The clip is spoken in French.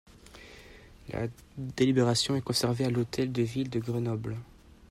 La délibération est conservée à l’hôtel de ville de Grenoble.